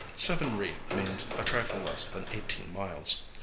Seven ri means a trifle less than eighteen miles.